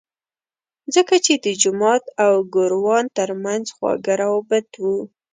ځکه چې د جومات او ګوروان ترمنځ خواږه روابط وو.